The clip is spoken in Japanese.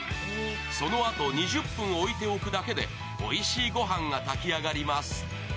そのあと２０分置いておくだけでおいしいご飯が炊き上がります。